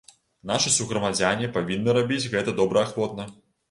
Нашы суграмадзяне павінны рабіць гэта добраахвотна.